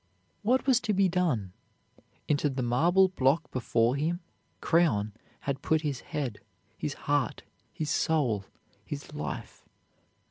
What was to be done? Into the marble block before him Creon had put his head, his heart, his soul, his life.